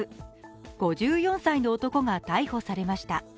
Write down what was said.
５４歳の男が逮捕されました。